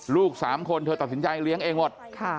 ลูก๓คนเธอตัดสินใจเลี้ยงเองหมด